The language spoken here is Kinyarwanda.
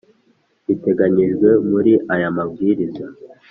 biteganyijwe muri aya mabwiriza